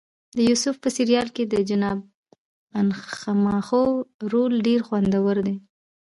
د یوسف په سریال کې د جناب انخماخو رول ډېر خوندور دی.